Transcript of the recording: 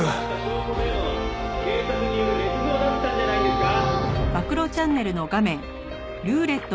「証拠というのは警察による捏造だったんじゃないですか？」